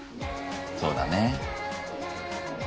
そうだね。